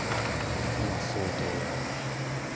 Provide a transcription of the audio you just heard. そりゃまあ相当やるな。